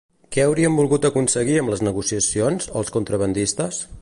Què haurien volgut aconseguir amb les negociacions, els contrabandistes?